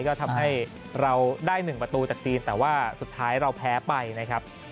ก็ทำให้เราได้๑ประตูจากจีนแต่ว่าสุดท้ายเราแพ้ไปนะครับ